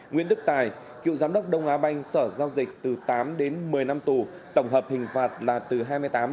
nguyễn đức tài cựu giám đốc đông á banh sở giao dịch từ tám đến một mươi năm tù tổng hợp hình phạt là từ hai mươi tám đến ba mươi năm tù các bị cáo khác từ sáu đến một mươi tám năm tù